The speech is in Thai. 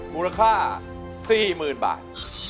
มูลค่า๔๐๐๐บาท